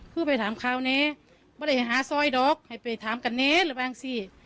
ขึ้นไปถามเขาเนี้ยไม่ได้หาซอยดอกให้ไปถามกันเนี้ยหรือบางสิ